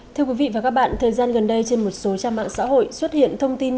thưa quý vị và các bạn thời gian gần đây trên một số trang mạng xã hội xuất hiện thông tin